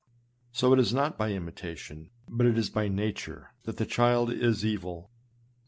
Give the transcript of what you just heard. So it is not by imitation, but it is by nature, that the child is evil.